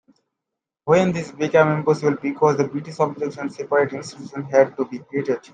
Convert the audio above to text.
When this became impossible because of British objections, separate institutions had to be created.